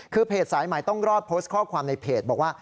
คือเพจสายใหม่ต้องรอดโพสต์ข้อความในเพจบอกว่า